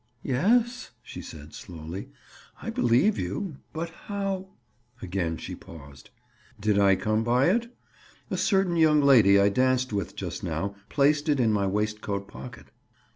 "Yes," she said slowly, "I believe you. But how—?" Again she paused. "Did I come by it? A certain young lady I danced with just now placed it in my waistcoat pocket."